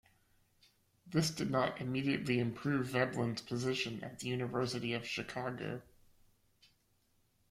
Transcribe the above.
This did not immediately improve Veblen's position at the University of Chicago.